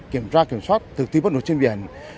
kiểm tra kiểm soát thực tích bất nối trên biển